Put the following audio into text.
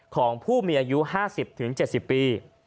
ของผู้มีอายุ๕๐๗๐ปี